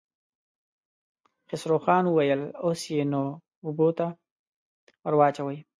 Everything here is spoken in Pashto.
خسرو خان وويل: اوس يې نو اوبو ته ور واچوئ.